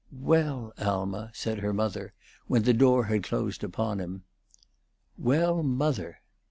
"Well, Alma," said her mother, when the door had closed upon him. "Well, mother."